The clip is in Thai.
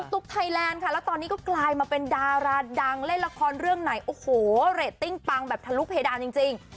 ตุ๊กไทยแลนด์ค่ะแล้วตอนนี้ก็กลายมาเป็นดาราดังเล่นละครเรื่องไหนโอ้โหเรตติ้งปังแบบทะลุเพดานจริง